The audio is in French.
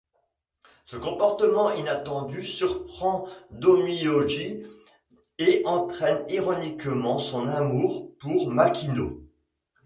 Ce comportement inattendu surprend Domyôji et entraîne ironiquement son amour pour Makino.